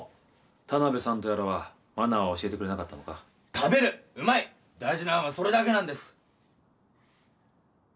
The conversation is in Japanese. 田辺さんはマナーは教えてくれなかったのか食べるうまい大事なんはそれだけなんです